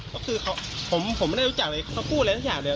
ก็คือผมไม่ได้รู้จักเลยเขาพูดอะไรสักอย่างเลย